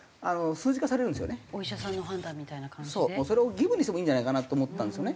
それを義務にしてもいいんじゃないかなと思ったんですよね。